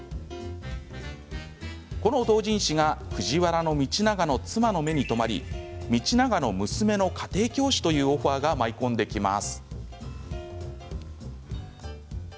この同人誌が藤原道長の妻の目に留まり道長の娘の家庭教師というオファーが舞い込んできます。